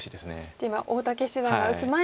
じゃあ今大竹七段が打つ前に。